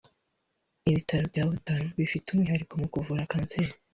Ibitaro bya Butaro bifite umwihariko mu kuvura kanseri